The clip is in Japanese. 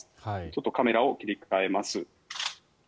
ちょっとカメラを切り替えます。